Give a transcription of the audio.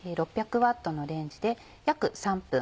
６００Ｗのレンジで約３分。